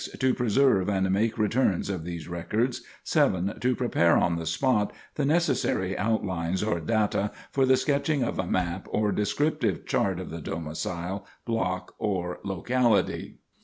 To preserve and make returns of these records. 7. To prepare on the spot the necessary outlines or data for the sketching of a map or descriptive chart of the domicil, block, or locality.